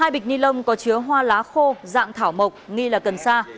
hai bịch ni lông có chứa hoa lá khô dạng thảo mộc nghi là cần sa